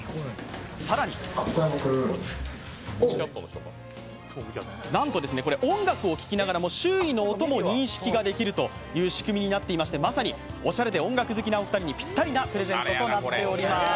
更になんと音楽を聴きながらも周囲の音が認識できる仕組みになっておりましてまさに、おしゃれで音楽好きなお二人にぴったりなプレゼントになってます。